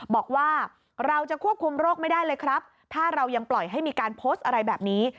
บอกว่าเราจะควบคุมโรคไม่ได้เลยครับถ้าเรายังปล่อยให้มีการโพสต์อะไรแบบนี้